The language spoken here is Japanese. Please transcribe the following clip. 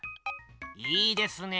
いいですねえ。